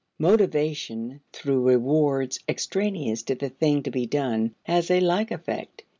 Motivation through rewards extraneous to the thing to be done has a like effect.